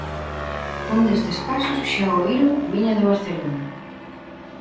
Un destes casos, xa o oíron, viña de Barcelona.